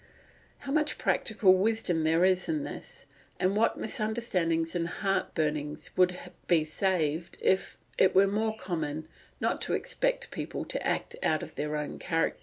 How much practical wisdom there is in this, and what misunderstandings and heart burnings would be saved if it were more common not to expect people to act out of their own characters!